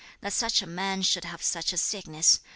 That such a man should have such a sickness!